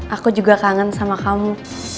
aku juga kangen sama kamu